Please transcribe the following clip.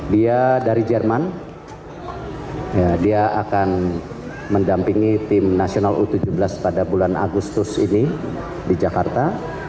dia dari jerman dia akan mendampingi tim nasional u tujuh belas pada bulan agustus ini di jakarta